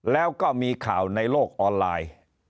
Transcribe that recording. แล้วก็มีข่าวในโลกออนไลน์